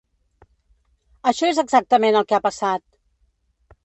Això és exactament el que ha passat!